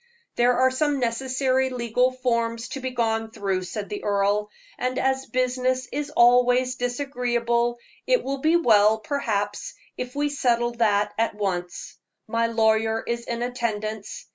"There are some necessary legal forms to be gone through," said the earl, "and as business is always disagreeable, it will be well, perhaps, if we settle that at once. My lawyer is in attendance.